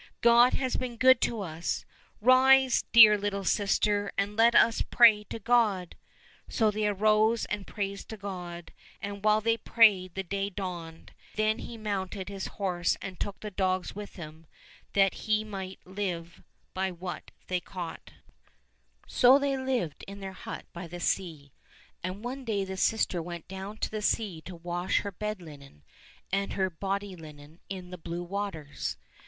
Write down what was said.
" God has been good to us ! Rise, dear little sister, and let us pray to God !" So they arose and prayed to God, and while they prayed the day dawned. Then he mounted his horse and took the dogs with him, that he might live by what they caught. ^ The two fabulous hounds of Ruthenian legend. E 65 COSSACK FAIRY TALES So they lived in their hut by the sea, and one day the sister went down to the sea to wash her bed linen and her body linen in the blue waters.